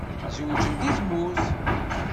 Zewǧen deg tmurt?